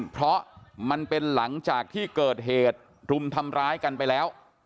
เพราะมันเป็นหลังจากที่เกิดเหตุรุมทำร้ายกันไปแล้ว